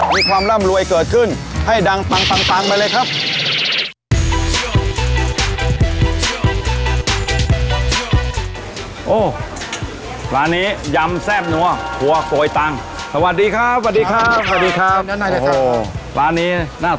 มีความร่ำรวยเกิดขึ้น